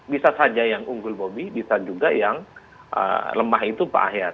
bisa saja yang unggul bobi bisa juga yang lemah itu pak ahyar